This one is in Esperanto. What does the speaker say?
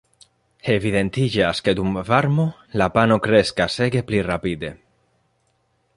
Evidentiĝas ke dum varmo la "pano" kreskas ege pli rapide.